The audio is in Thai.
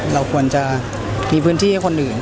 เราควรจะมีพื้นที่ให้คนอื่น